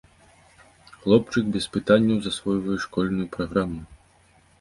Хлопчык без пытанняў засвойвае школьную праграму.